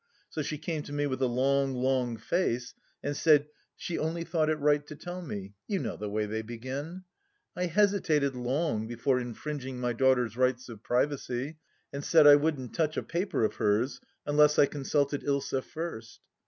So she came to me with a long, long face and said she " only thought it right to tell me "— you know the way they begin ! I hesitated long before infringing my daughter's rights of privacy, and said I wouldn't touch a paper of hers unless I consulted Ilsa first.